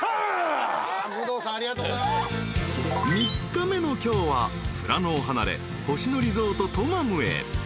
［３日目の今日は富良野を離れ星野リゾートトマムへ］